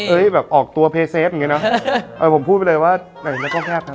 เอ๊ยแบบออกตัวเพลย์เซฟน์อย่างนี้นะเอาให้ผมพูดไปเลยว่านี่นักกล้องแพลปครับ